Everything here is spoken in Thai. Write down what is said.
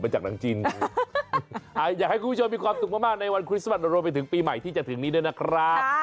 หาว่าอย่างไรนะ